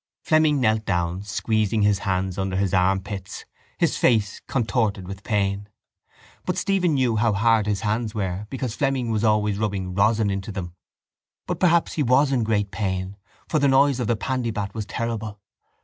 Fleming knelt down, squeezing his hands under his armpits, his face contorted with pain, but Stephen knew how hard his hands were because Fleming was always rubbing rosin into them. But perhaps he was in great pain for the noise of the pandybat was terrible.